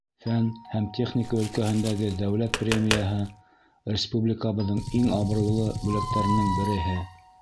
Фән һәм техника өлкәһендәге дәүләт премияһы — республикабыҙҙың иң абруйлы бүләктәренең береһе.